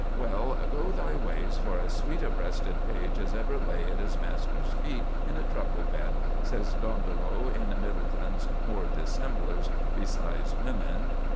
"Well, go thy ways for as sweet a breasted page as ever lay at his master's feet in a truckle bed," says Dondolo in Middleton's "More Dissemblers Besides Women."